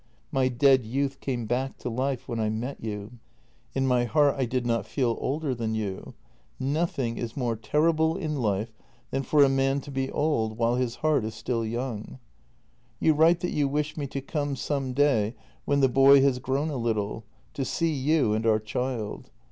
My dead youth came back to life when I met you; in my heart I did not feel older than you. Nothing is more terrible in life than for a man to be old while his heart is still young. " You write that you wish me to come some day when the boy has grown a little, to see you and our child.